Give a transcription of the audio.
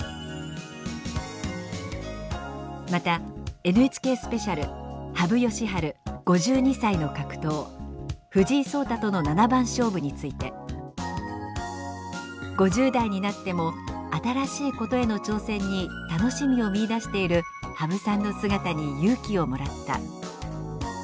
またＮＨＫスペシャル「羽生善治５２歳の格闘藤井聡太との七番勝負」について「５０代になっても新しいことへの挑戦に楽しみを見いだしている羽生さんの姿に勇気をもらった」